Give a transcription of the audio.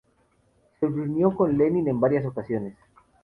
Se reunió con Lenin en varias ocasiones.